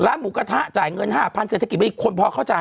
หมูกระทะจ่ายเงิน๕๐๐เศรษฐกิจไปอีกคนพอเข้าใจ